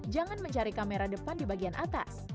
jangan mencari kamera depan di bagian atas